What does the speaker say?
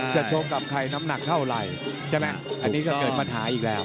ชกกับใครน้ำหนักเท่าไหร่ใช่ไหมอันนี้ก็เกิดปัญหาอีกแล้ว